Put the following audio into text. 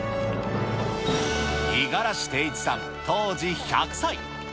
五十嵐貞一さん、当時１００歳。